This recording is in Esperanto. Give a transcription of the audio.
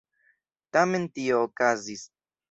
Tamen tio okazis.